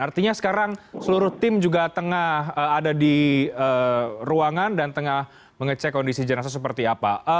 artinya sekarang seluruh tim juga tengah ada di ruangan dan tengah mengecek kondisi jenazah seperti apa